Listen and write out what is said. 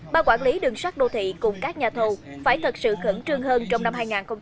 ba quản lý đường sắt đô thị cùng các nhà thầu phải thật sự khẩn trương hơn trong năm hai nghìn hai mươi